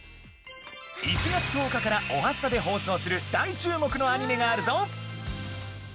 １月１０日から『おはスタ』で放送する大注目のアニメがあるぞ。